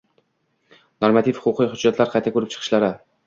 normativ-huquqiy hujjatlar qayta ko‘rib chiqishlari